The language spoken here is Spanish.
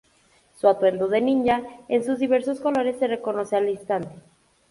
Su atuendo de ninja en sus diversos colores se reconoce al instante.